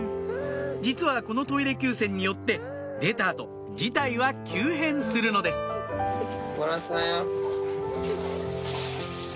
実はこのトイレ休戦によって出た後事態は急変するのです漏らすなよ。